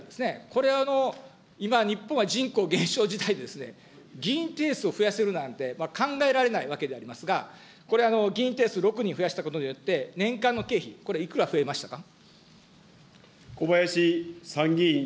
これ、今、日本は人口減少時代でですね、議員定数を増やせるなんて、考えられないわけでありますが、これ、議員定数６人増やしたことによって年間の経費、これ、いくら増えましたか。